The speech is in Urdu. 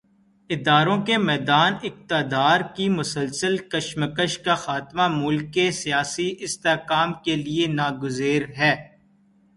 اداروں کے درمیان اقتدار کی مسلسل کشمکش کا خاتمہ، ملک کے سیاسی استحکام کے لیے ناگزیر ہے۔